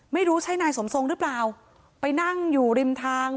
ไม่ใช่นายสมทรงหรือเปล่าไปนั่งอยู่ริมทาง